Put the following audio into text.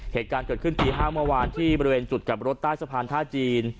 เหตุการณ์เกิดขึ้นตี๕เมื่อวานที่บริเวณจุดกลับรถใต้สะพานท่าจีน